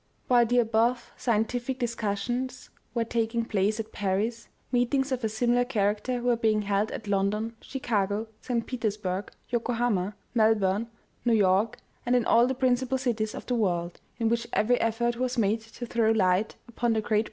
WHILE the above scientific discussions were taking place at Paris, meetings of a similar character were being held at London, Chicago, St. Petersburg, Yokohama, Melbourne, New York, and in all the principal cities of the world, in which every effort was made to throw light upon the great OMEGA.